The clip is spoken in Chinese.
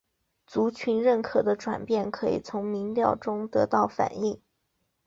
族群认同的转变可以从民调中得到反映。